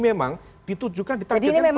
memang ditujukan ditargetkan pada beliau